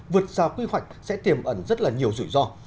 và quy hoạch sẽ tiềm ẩn rất nhiều rủi ro